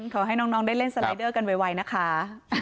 ขอให้น้องได้เล่นสไลเดอร์กันไวนะคะ